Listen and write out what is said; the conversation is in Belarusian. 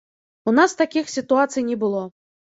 У нас такіх сітуацый не было.